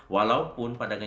walaupun pada saat ini